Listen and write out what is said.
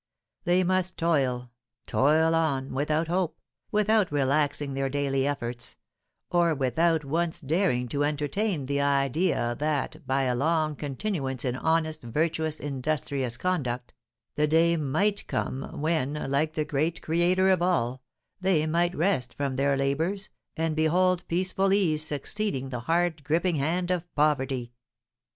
They must toil, toil on, without hope, without relaxing their daily efforts, or without once daring to entertain the idea that, by a long continuance in honest, virtuous, industrious conduct, the day might come when, like the great Creator of all, they might rest from their labours, and behold peaceful ease succeeding the hard griping hand of poverty.